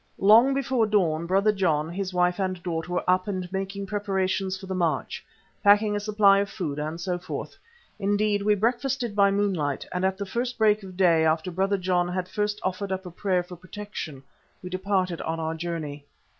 Long before dawn Brother John, his wife and daughter were up and making preparations for the march, packing a supply of food and so forth. Indeed, we breakfasted by moonlight, and at the first break of day, after Brother John had first offered up a prayer for protection, departed on our journey.